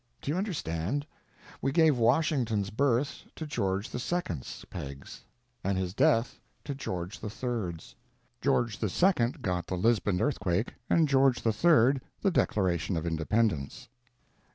Do you understand? We gave Washington's birth to George II.'s pegs and his death to George III.'s; George II. got the Lisbon earthquake and George III. the Declaration of Independence.